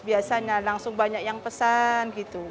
biasanya langsung banyak yang pesan gitu